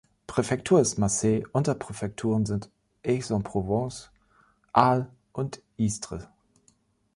Präfektur ist Marseille, Unterpräfekturen sind Aix-en-Provence, Arles und Istres.